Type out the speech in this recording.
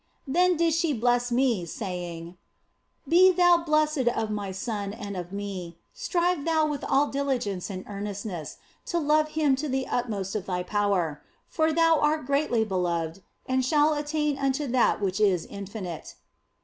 Then did she bless me, saying, " Be thou blessed of my Son and of me, and strive thou with all diligence and earnestness to love Him to the utmost of thy power ; for thou art greatly beloved and shalt attain unto that which is infinite."